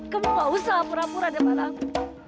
kamu gak usah pura pura depan aku